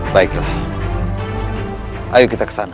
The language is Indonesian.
baiklah ayo kita kesana